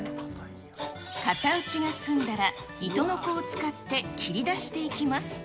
型打ちが済んだら、糸のこを使って切り出していきます。